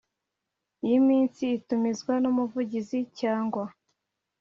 Y iminsi itumizwa n umuvugizi cyangwa